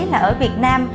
là ở việt nam